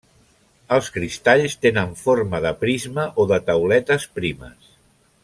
Els cristalls tenen forma de prisma o de tauletes primes.